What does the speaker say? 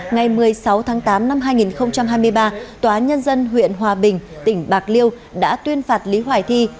ngày một mươi sáu tháng tám năm hai nghìn hai mươi ba tòa nhân dân huyện hòa bình tỉnh bạc liêu đã tuyên phạt lý hoài thi